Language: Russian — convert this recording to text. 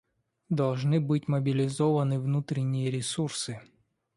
Должны быть мобилизованы внутренние ресурсы.